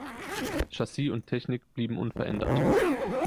Chassis und Technik blieben unverändert.